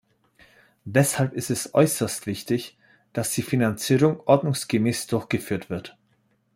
Deshalb ist es äußerst wichtig, dass die Finanzierung ordnungsgemäß durchgeführt wird.